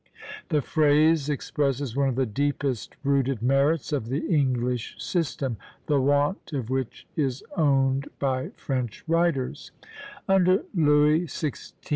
The phrase expresses one of the deepest rooted merits of the English system, the want of which is owned by French writers: "Under Louis XVI.